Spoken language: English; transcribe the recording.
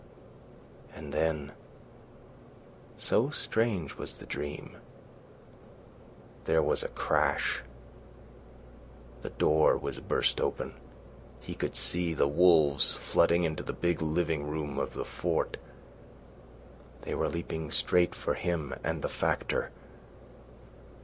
And then, so strange was the dream, there was a crash. The door was burst open. He could see the wolves flooding into the big living room of the fort. They were leaping straight for him and the Factor.